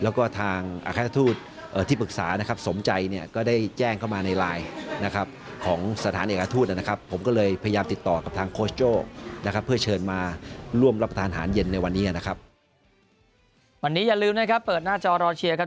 วันนี้นะครับเปิดหน้าจอรอเชียร์ครับ